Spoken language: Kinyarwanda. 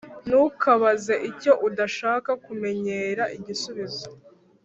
Ntukabaze icyo udashaka kumenyera igisubizo